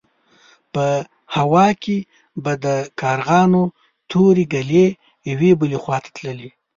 په هوا کې به د کارغانو تورې ګلې يوې بلې خوا ته تللې.